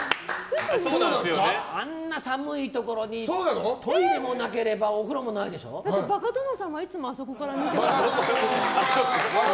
あんな寒いところにトイレもなければだってバカ殿様はいつもあそこで見てますよ。